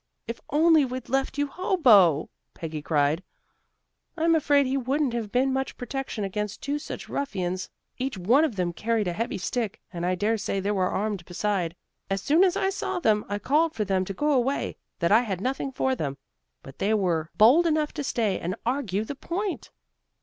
"If only we'd left you Hobo," Peggy cried. "I'm afraid he wouldn't have been much protection against two such ruffians. Each one of them carried a heavy stick, and I dare say they were armed beside. As soon as I saw them, I called for them to go away, that I had nothing for them, but they were bold enough to stay and argue the point."